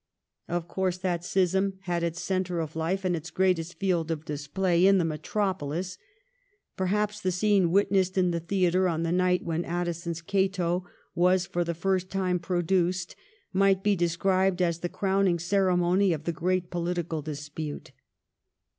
Of course that schism had its centre of life and its greatest field of display in the metropolis. Perhaps the scene witnessed in the theatre on the night when Addison's ' Cato ' was for the first time produced might be described as the crowning ceremony of the great political dispute.